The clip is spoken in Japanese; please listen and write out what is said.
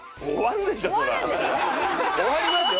終わりますよ！